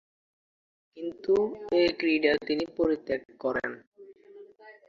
কিন্তু এ ক্রীড়া তিনি পরিত্যাগ করেন।